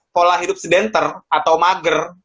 pola hidup sidenter atau mager